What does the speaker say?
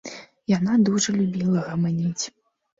Яна дужа любіла гаманіць.